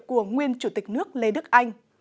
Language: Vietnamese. của nguyên chủ tịch nước lê đức anh